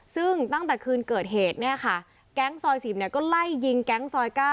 ซึ่งตั้งแต่คืนเกิดเหตุเนี่ยค่ะแก๊งซอย๑๐ก็ไล่ยิงแก๊งซอย๙